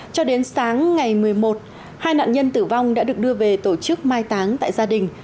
cho đến sáng ngày một mươi một hai nạn nhân tử vong đã được đưa về tổ chức mai táng tại gia đình